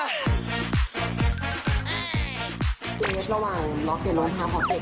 เกลียดระหว่างร้องเกลียดร้องเท้าของเก๋กะ